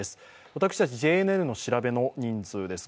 私たち、ＪＮＮの調べの人数です。